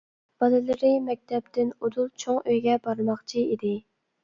بالىلىرى مەكتەپتىن ئۇدۇل چوڭ ئۆيگە بارماقچى ئىدى.